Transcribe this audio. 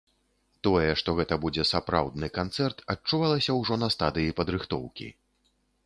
Тое, што гэта будзе сапраўдны канцэрт, адчувалася ўжо на стадыі падрыхтоўкі.